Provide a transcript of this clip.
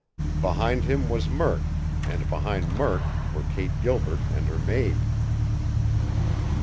Behind him was Murk, and behind Murk were Kate Gilbert and her maid.